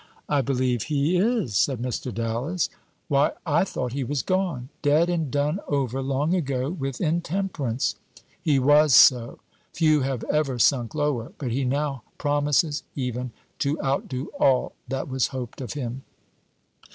"I believe he is," said Mr. Dallas. "Why, I thought he was gone dead and done over, long ago, with intemperance." "He was so; few have ever sunk lower; but he now promises even to outdo all that was hoped of him."